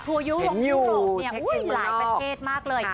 ทัวร์ยูหลงหลายประเทศมากเลย